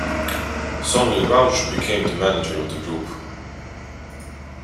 Sonley Roush became the manager of the group.